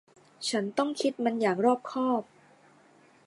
ฉันต้องคิดมันอย่างรอบคอบ